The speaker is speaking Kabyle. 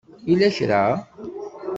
Yella kra?